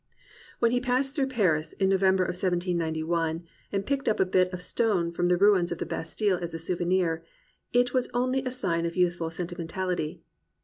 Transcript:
When he passed through Paris, in November of 1791, and picked up a bit of stone from the ruins of the Bas tile as a souvenir, it was only a sign of youthful sentimentality.